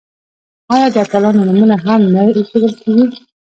آیا د اتلانو نومونه هم نه ایښودل کیږي؟